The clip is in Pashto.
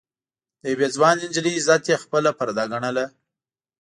د يوې ځوانې نجلۍ عزت يې خپله پرده ګڼله.